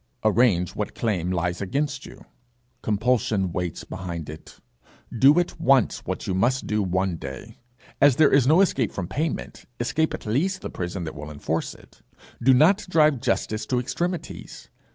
Arrange what claim lies against you; compulsion waits behind it. Do at once what you must do one day. As there is no escape from payment, escape at least the prison that will enforce it. Do not drive Justice to extremities.